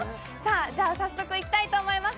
早速、いきたいと思います。